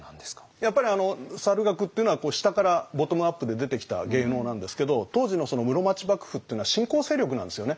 やっぱり猿楽っていうのは下からボトムアップで出てきた芸能なんですけど当時の室町幕府っていうのは新興勢力なんですよね。